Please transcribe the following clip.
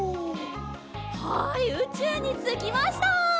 はいうちゅうにつきました。